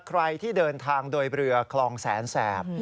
ใครที่เดินทางโดยเรือคลองแสนแสบ